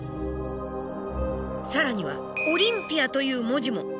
更には「オリンピア」という文字も。